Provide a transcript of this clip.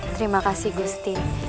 terima kasih gusti